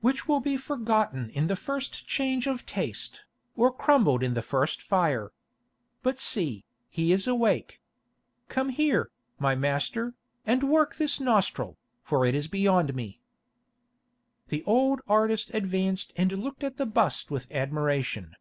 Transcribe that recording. "Which will be forgotten in the first change of taste, or crumbled in the first fire. But see, he is awake. Come here, my master, and work this nostril, for it is beyond me." The old artist advanced and looked at the bust with admiration.